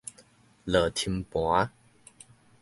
落停盤